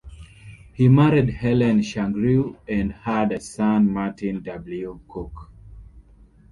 He married Helen Shugrue and had a son, Martin W. Cooke.